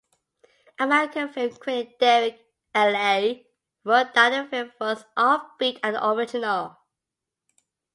American film critic Derek Elley wrote that the film was offbeat and original.